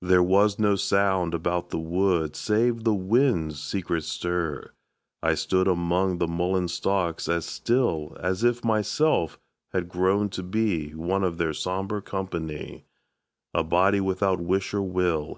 There was no sound about the wood Save the wind's secret stir. I stood Among the mullein stalks as still As if myself had grown to be One of their sombre company, A body without wish or will.